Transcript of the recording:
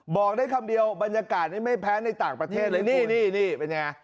บอกได้คำเดียวบรรยากาศนี้ไม่แพ้ในต่างประเทศเลยนี่นี่เป็นยังไง